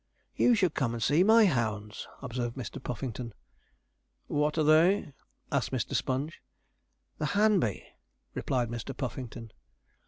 'You should come and see my hounds,' observed Mr. Puffington. 'What are they?' asked Sponge. 'The Hanby,' replied Mr. Puffington.